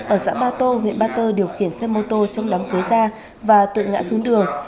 ở xã ba tô huyện ba tơ điều khiển xe mô tô trong đám cưới ra và tự ngã xuống đường